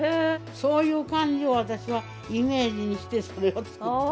そういう感じを私はイメージにしてそれを作った。